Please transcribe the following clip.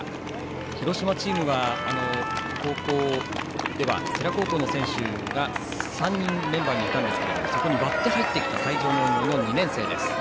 広島チームは高校では世羅高校の選手が３人メンバーにいたんですけどそこに割って入ってきた西条農業の２年生です。